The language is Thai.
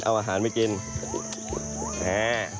โปรดติดตามตอนต่อไป